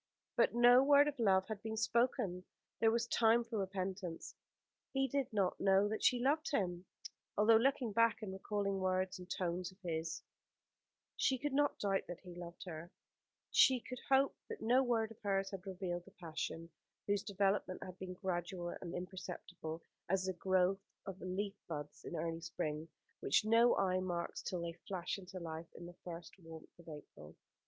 But no word of love had been spoken. There was time for repentance. He did not know that she loved him. Although, looking back, and recalling words and tones of his, she could not doubt that he loved her, she could hope that no word of hers had revealed the passion whose development had been gradual and imperceptible as the growth of the leaf buds in early spring, which no eye marks till they flash into life in the first warmth of April.